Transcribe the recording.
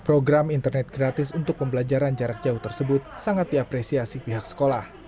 program internet gratis untuk pembelajaran jarak jauh tersebut sangat diapresiasi pihak sekolah